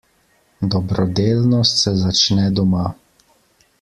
Dobrodelnost se začne doma.